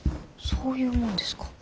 そういうもんですか。